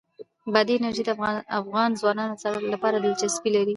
بادي انرژي د افغان ځوانانو لپاره دلچسپي لري.